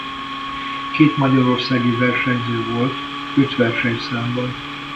Két magyarországi versenyző volt öt versenyszámban.